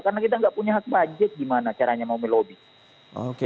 karena kita enggak punya hak budget gimana caranya mau melobby